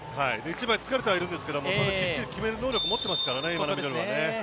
一枚つかれてはいるんですけど、きっちり決める能力を持っていますから今のミドルは。